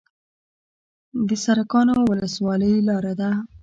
د سرکانو ولسوالۍ لاره ده